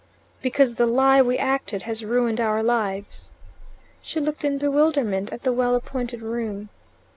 "Because the lie we acted has ruined our lives." She looked in bewilderment at the well appointed room.